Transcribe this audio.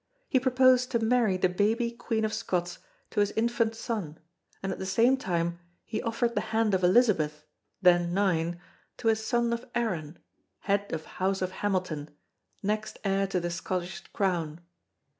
He proposed to marry the baby Queen of Scots to his infant son and at the same time he offered the hand of Elizabeth (then nine) to a son of Arran head of House of Hamilton, next heir to the Scottish crown....